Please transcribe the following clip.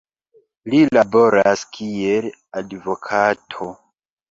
Li laboras kiel advokato.